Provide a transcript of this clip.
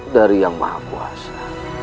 dari yang maha kuasa